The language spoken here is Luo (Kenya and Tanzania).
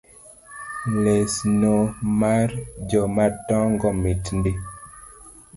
Lesno mar jomadongo mit ndi